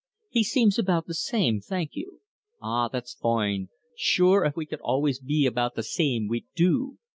"He seems about the same, thank you." "Ah, that's foine. Shure, if we could always be 'about the same,' we'd do.